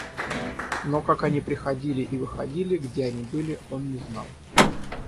Но как они приходили и выходили, где они были, он не знал.